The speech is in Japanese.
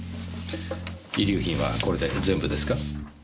遺留品はこれで全部ですか？